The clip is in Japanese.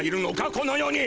この世に。